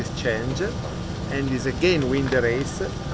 saya menang lagi di perairan